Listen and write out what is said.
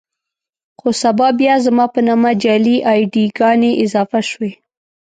خو سبا بيا زما په نامه جعلي اې ډي ګانې اضافه شوې.